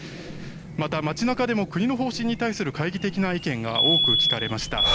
また、街中でも国の方針に対する懐疑的な意見が多く聞かれました。